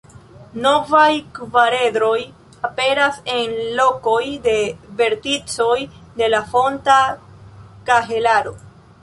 Novaj kvaredroj aperas en lokoj de verticoj de la fonta kahelaro.